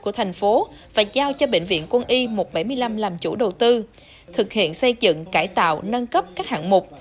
của thành phố và giao cho bệnh viện quân y một trăm bảy mươi năm làm chủ đầu tư thực hiện xây dựng cải tạo nâng cấp các hạng mục